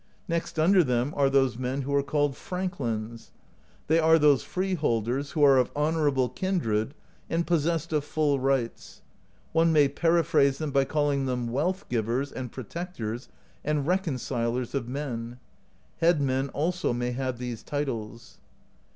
"Next under them are those men who are called frank lins : they are those freeholders who are of honorable kin dred, and possessed of full rights. One may periphrase them by calling them Wealth Givers, and Protectors, and Re concilers of Men; headmen also may have these titles.